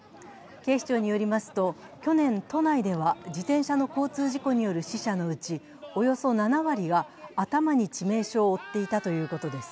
警視庁によりますと去年都内では自転車の交通事故による死者のうち、およそ７割が頭に致命傷を負っていたということです。